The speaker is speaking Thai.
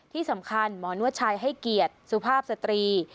ที่สำคัญหมอนวดชายให้เกียรติสุภาพสตรี